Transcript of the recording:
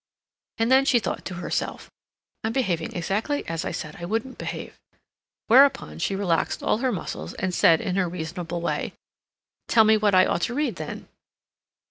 And then she thought to herself, "I'm behaving exactly as I said I wouldn't behave," whereupon she relaxed all her muscles and said, in her reasonable way: "Tell me what I ought to read, then."